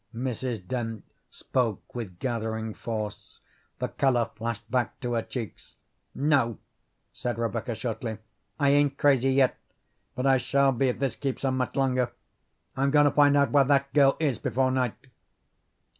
Mrs. Dent spoke with gathering force. The colour flashed back to her cheeks. "No," said Rebecca shortly. "I ain't crazy yet, but I shall be if this keeps on much longer. I'm going to find out where that girl is before night."